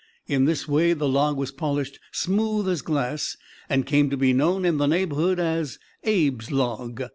In this way the log was polished smooth as glass, and came to be known in the neighborhood as "Abe's log."